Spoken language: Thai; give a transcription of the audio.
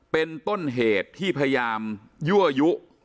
เป็นต้นเหตุที่พยายามยั่วยุ